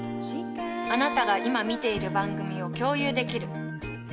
あなたが今見ている番組を共有できる。